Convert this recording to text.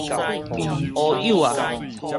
烏有矣